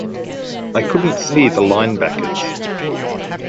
I couldn't see the linebackers.